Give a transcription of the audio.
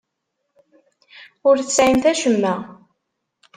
Ur tesɛimt acemma.